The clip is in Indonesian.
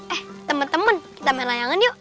eh teman teman kita main layangan yuk